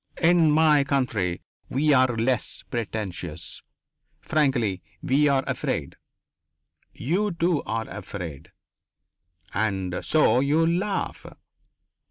"In my country, we are less pretentious. Frankly, we are afraid. You, too, are afraid, and so you laugh!